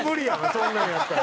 そんなんやったら。